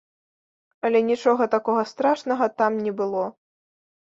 Але нічога такога страшнага там не было.